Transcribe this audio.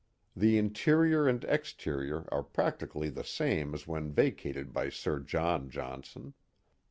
The interior and exterior are practically the same as when vacated by Sir John Johnson.